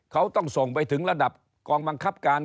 เขาต้องส่งไปถึงระดับกองบังคับการ